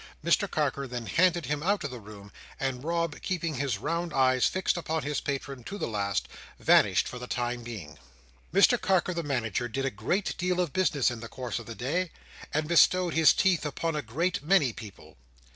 Mr Carker then handed him out of the room; and Rob, keeping his round eyes fixed upon his patron to the last, vanished for the time being. Mr Carker the Manager did a great deal of business in the course of the day, and bestowed his teeth upon a great many people.